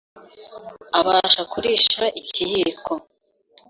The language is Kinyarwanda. abasha kurisha ikiyiko